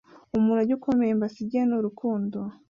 umurage ukomeye mbasigiye ni urukundo,